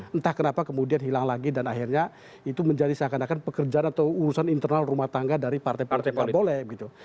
entah kenapa kemudian hilang lagi dan akhirnya itu menjadi seakan akan pekerjaan atau urusan internal rumah tangga dari partai partai tidak boleh gitu